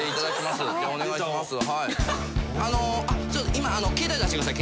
今携帯出してください。